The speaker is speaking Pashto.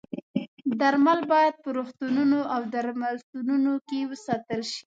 درمل باید په روغتونونو او درملتونونو کې وساتل شي.